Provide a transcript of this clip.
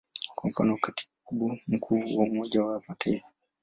Kwa mfano, Katibu Mkuu wa Umoja wa Mataifa.